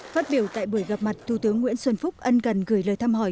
phát biểu tại buổi gặp mặt thủ tướng nguyễn xuân phúc ân gần gửi lời thăm hỏi